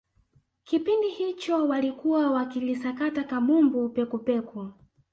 kipindi hicho walikuwa wakilisakata kabumbu pekupeku